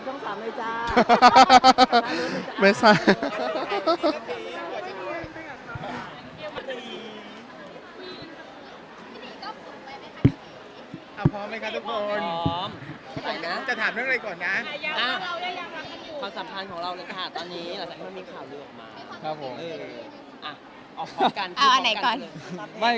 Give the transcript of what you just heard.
ตอนนี้หลังจากนี้ความเลือกมา